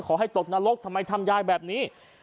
ตกนรกทำไมทำยายแบบนี้